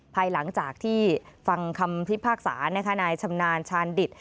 ภายหลังจากที่ฟังคำพิพากษานายชำนาญชานดิต